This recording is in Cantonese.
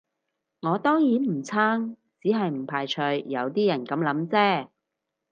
我當然唔撐，只係唔排除有啲人噉諗啫